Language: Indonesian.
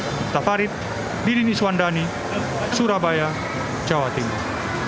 duta farid didi niswandani surabaya jawa timur